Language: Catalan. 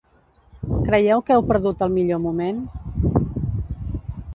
Creieu que heu perdut el millor moment?